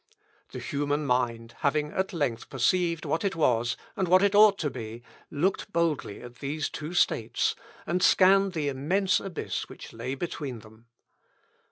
The human mind having at length perceived what it was, and what it ought to be, looked boldly at these two states, and scanned the immense abyss which lay between them.